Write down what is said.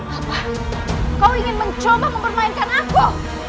apa kau ingin mencoba mempermainkan aku